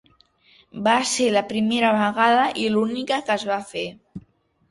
Va ser la primera vegada i l'única que es va fer.